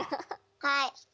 はい。